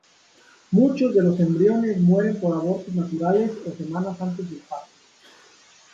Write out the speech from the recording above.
Muchos de los embriones mueren por abortos naturales o semanas antes del parto.